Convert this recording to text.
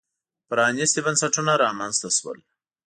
پرانېستي بنسټونه رامنځته شول.